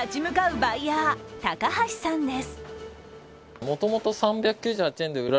バイヤー高橋さんです。